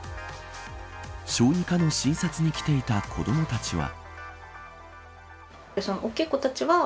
小児科の診察に来ていた子どもたちは。